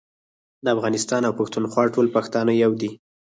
د افغانستان او پښتونخوا ټول پښتانه يو دي